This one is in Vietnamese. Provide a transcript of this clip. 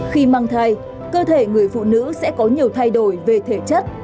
khi mang thai cơ thể người phụ nữ sẽ có nhiều thay đổi về thể chất